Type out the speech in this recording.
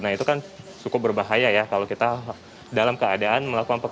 nah itu kan cukup berbahaya ya kalau kita dalam keadaan melakukan pekerjaan